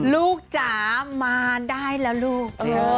จ๋ามาได้แล้วลูก